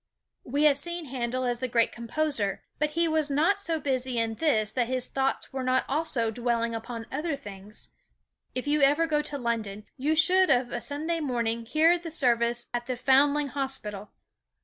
We have seen Handel as the great composer, but he was not so busy in this that his thoughts were not also dwelling upon other things. If ever you go to London, you should of a Sunday morning hear the service at the Foundling Hospital.